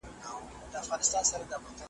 پکښي ډلي د لوټمارو گرځېدلې